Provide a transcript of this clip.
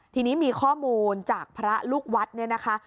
ทีนี้มีข้อมูลจากพระลูกวัดเนี่ยนะคะ